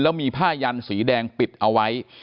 แล้วมีผ้ายันสีแดงปิดเอาไว้